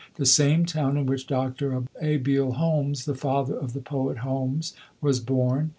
the same town in which Dr. Abiel Holmes, the father of the poet Holmes, was born.